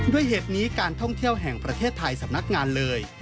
เหตุนี้การท่องเที่ยวแห่งประเทศไทยสำนักงานเลย